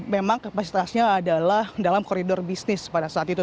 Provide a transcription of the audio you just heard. memang kapasitasnya adalah dalam koridor bisnis pada saat itu